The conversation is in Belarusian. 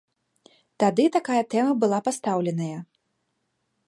Тады такая тэма была пастаўленая.